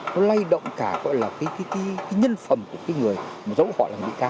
nó lay động cả gọi là cái nhân phẩm của cái người mà dẫu họ là bị cao